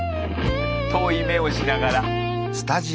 遠い目をしながら。